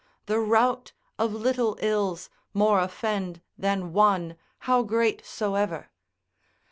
The rout of little ills more offend than one, how great soever.